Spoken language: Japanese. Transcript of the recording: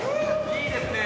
いいですね。